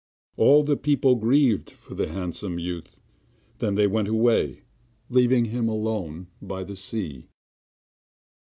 All the people grieved for the handsome youth; then they went away, leaving him alone by the sea.